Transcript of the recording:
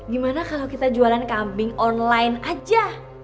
gimana kalau kita jualan kambing online aja